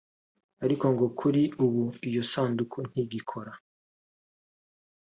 ariko ngo kuri ubu iyo sanduku ntigikora